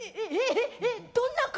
どんな顔？